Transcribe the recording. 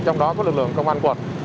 trong đó có lực lượng công an quận